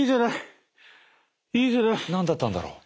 何だったんだろう。